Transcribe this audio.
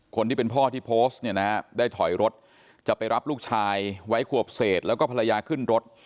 คนที่เป็นพ่อที่โพสต์เนี่ยนะได้ถอยรถจะไปรับลูกชายไว้ขวบเศษแล้วก็ภรรยาขึ้นรถ